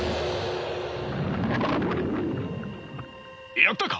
やったか？